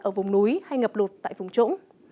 ở vùng núi hay ngập lụt tại vùng trũng